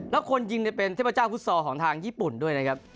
แล้วคนยิงเป็นเทพเจ้าฟุตซอลของทางญี่ปุ่นด้วยนะครับ